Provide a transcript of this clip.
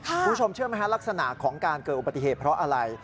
คุณผู้ชมเชื่อไหมฮะลักษณะของการเกิดอุบัติเหตุเพราะอะไร